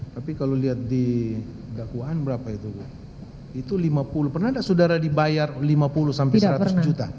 tapi kalau lihat di dakwaan berapa itu itu lima puluh pernah saudara dibayar lima puluh sampai seratus juta